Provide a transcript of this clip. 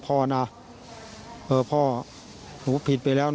ลูกนั่นแหละที่เป็นคนผิดที่ทำแบบนี้